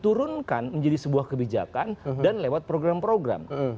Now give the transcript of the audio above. itu diturunkan menjadi sebuah kebijakan dan lewat program program